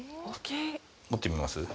持ってみます？